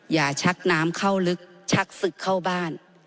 ชักน้ำเข้าลึกชักศึกเข้าบ้าน